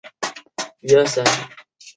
奥克松人口变化图示